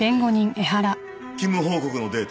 勤務報告のデータ